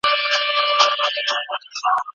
ایا تکړه پلورونکي وچ توت اخلي؟